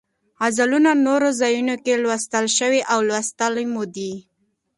غزلونه نورو ځایونو کې لوستلی شو او لوستې مو دي.